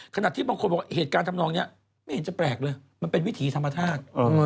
ขนาดที่บางคนบอกเหตุการณ์ทำนองนี้ไม่เห็นจะแปลกเลยมันเป็นวิถีธรรมชาติ